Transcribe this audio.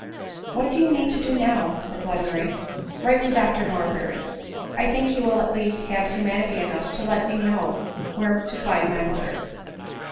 " What do you mean to do now ?" said Glenmurray. " Write to Dr Norberry. I think he will at least have humanity enough to let me know where to find my moth er."